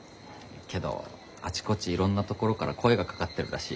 けどあちこちいろんなところから声がかかってるらしいよ。